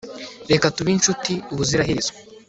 reka tube inshuti ubuziraherezo